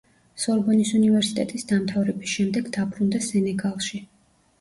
სორბონის უნივერსიტეტის დამთავრების შემდეგ დაბრუნდა სენეგალში.